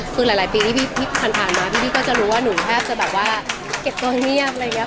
คือหลายปีที่ผ่านมาพี่ก็จะรู้ว่าหนูแทบจะแบบว่าเก็บตัวเงียบอะไรอย่างนี้